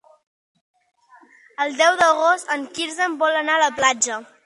El deu d'agost en Quirze vol anar a la platja.